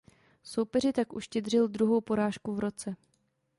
Soupeři tak uštědřil druhou porážku v roce.